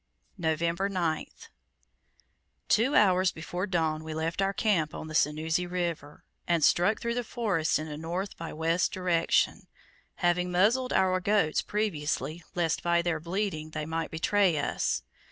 November 9th. Two hours before dawn we left our camp on the Sunuzzi River, and struck through the forest in a north by west direction, having muzzled our goats previously, lest, by their bleating, they might betray us.